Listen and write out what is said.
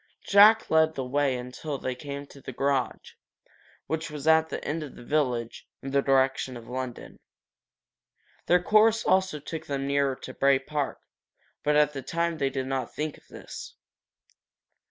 Jack led the way until they came to the garage, which was at the end of the village, in the direction of London. Their course also took them nearer to Bray Park, but at the time they did not think of this.